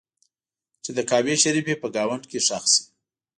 چې د کعبې شریفې په ګاونډ کې ښخ شي.